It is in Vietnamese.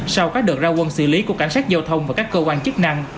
sau các đợt ra quân xử lý của cảnh sát giao thông và các cơ quan chức năng